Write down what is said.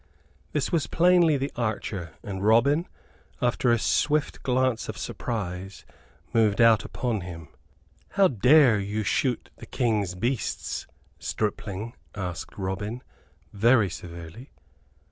This was plainly the archer; and Robin, after a swift glance of surprise, moved out upon him. "How dare you shoot the King's beasts, stripling?" asked Robin, very severely.